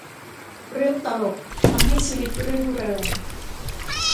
เรื่องตลก ทำให้ชีวิตรื่นเริง